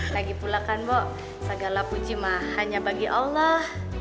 lagi pula kan bu segala puji mah hanya bagi allah